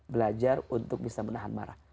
belajar untuk bisa menahan marah